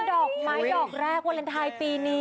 ดอกไม้ดอกแรกวาเลนไทยปีนี้